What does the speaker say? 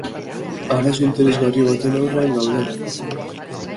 Arazo interesgarri baten aurrean gaude.